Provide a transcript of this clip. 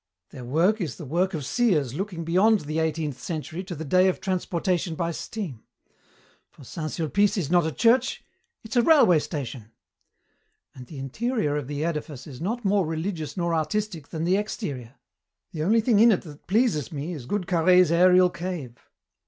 Their work is the work of seers looking beyond the eighteenth century to the day of transportation by steam. For Saint Sulpice is not a church, it's a railway station! "And the interior of the edifice is not more religious nor artistic than the exterior. The only thing in it that pleases me is good Carhaix's aërial cave."